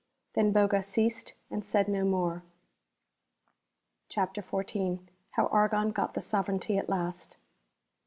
" Then Boga ceased and said no more. CHAPTER XIV. How Argon got the Sovereignty at last.